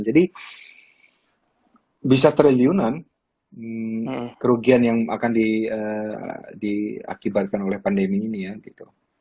jadi bisa triliunan kerugian yang akan diakibatkan oleh pandemi ini ya gitu